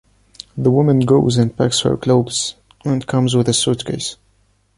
The woman goes and packs her clothes and comes with a suitcase